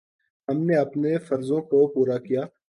ہم نے اپنے فرضوں کو پورا کیا۔